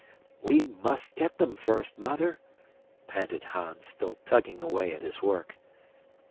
"We must get them first, Mother," panted Hans, still tugging away at his work.